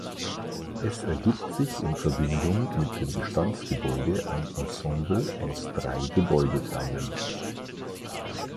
Es ergibt sich in Verbindung mit dem Bestandsgebäude ein Ensemble aus drei Gebäudeteilen.